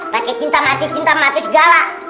pakai cinta mati cinta mati segala